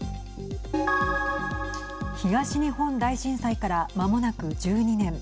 東日本大震災からまもなく１２年。